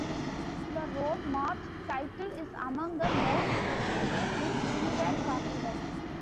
The Road March title is among the most prestigious in Trinidad Carnival.